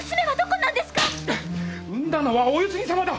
産んだのはお世継ぎ様だ！